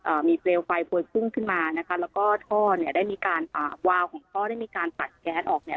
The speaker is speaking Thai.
เอมีเปลวไฟโพยพุ่งขึ้นมานะคะแล้วก็ท่อเนี้ยได้มีการอ่าวาวของท่อได้มีการตัดแก๊สออกเนี่ย